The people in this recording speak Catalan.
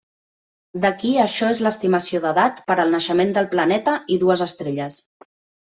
D'aquí això és l'estimació d'edat per al naixement del planeta, i dues estrelles.